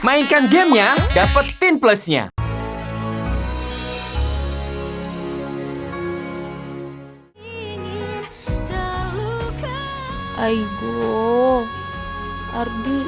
mainkan gamenya dapetin plusnya